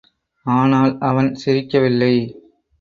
ஆனால் அவன் சிரிக்கவில்லை.